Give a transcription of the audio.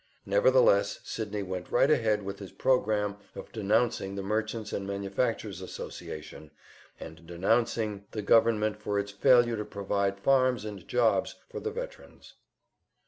Nevertheless Sydney went right ahead with his program of denouncing the Merchants' and Manufacturers' Association, and denouncing the government for its failure to provide farms and jobs for the veterans.